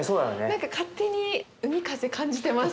何か勝手に海風感じてます。